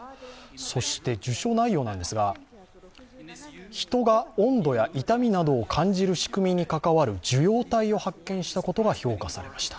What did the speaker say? そして受賞内容なんですが、ヒトが温度や痛みなどを感じる仕組みに関わる受容体を発見したことが評価されました。